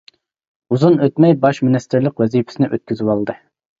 ئۇزۇن ئۆتمەي باش مىنىستىرلىق ۋەزىپىسىنى ئۆتكۈزۈۋالدى.